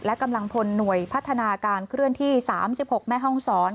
และกำลังพลหน่วยพัฒนาการเคลื่อนที่๓๖แม่ห้องศร